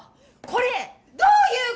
これ。